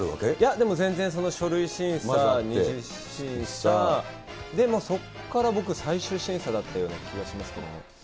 でも全然、書類審査、２次審査、で、もうそこから僕、最終審査だった気がしますね。